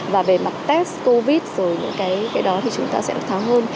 và về mặt test covid rồi những cái đó thì chúng ta sẽ được tháo hơn